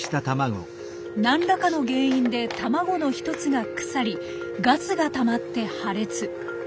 何らかの原因で卵の一つが腐りガスがたまって破裂。